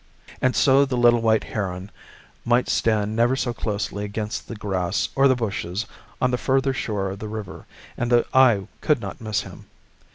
And so the little white heron might stand never so closely against the grass or the bushes on the further shore of the river, and the eye could not miss him.